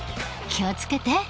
気を付けて。